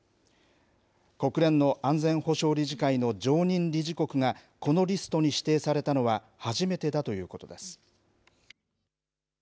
国連の安全保障理事会の常任理事国がこのリストに指定されたのは、初めてだということです。